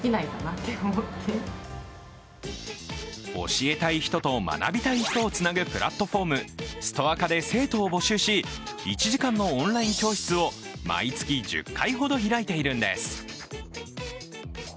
教えたい人と学びたい人をつなぐプラットフォーム、ストアカで生徒を募集し、１時間のオンライン教室を毎月１０回ほど開いているんです。